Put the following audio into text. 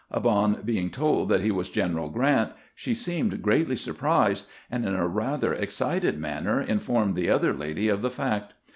Upon being told that he was General Grant, she seemed greatly sur prised, and in a rather excited manner informed the other lady of the fact.